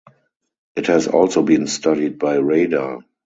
It has also been studied by radar.